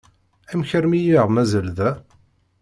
Amek armi i aɣ-mazal da?